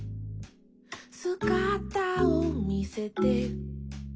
「すがたをみせて」